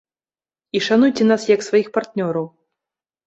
І шануйце нас як сваіх партнёраў.